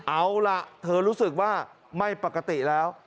เอาล่ะเธอรู้สึกว่าไม่ปกติแล้ว